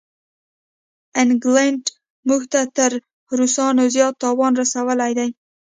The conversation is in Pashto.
انګلینډ موږ ته تر روسانو زیات تاوان رسولی دی.